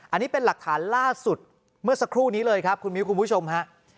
อันนี้เป็นหลักฐานล่าสุดเมื่อสักครู่นี้เลยครับคุณมิ้วคุณผู้ชมฮะ